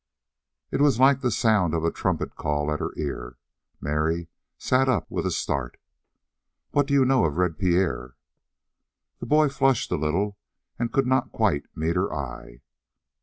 It was like the sound of a trumpet call at her ear. Mary sat up with a start. "What do you know of Red Pierre?" The boy flushed a little, and could not quite meet her eye.